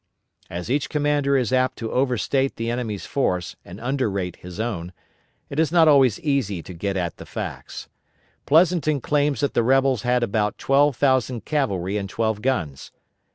As each commander is apt to overstate the enemy's force and underrate his own, it is not always easy to get at the facts. Pleasonton claims that the rebels had about twelve thousand cavalry and twelve guns.